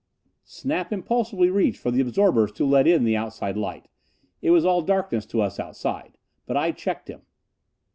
Snap impulsively reached for the absorbers to let in the outside light it was all darkness to us outside. But I checked him.